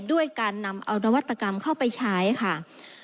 ด้วยการนำเอานวัตกรรมเข้าไปใช้ค่ะ